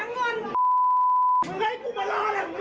ผู้ใหญ่อยู่นู้นครับ